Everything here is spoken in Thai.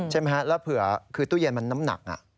ใช่ไหมฮะแล้วเผื่อคือตู้เย็นมันน้ำหนัก